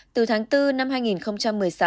từ tháng bốn năm hai nghìn một mươi sáu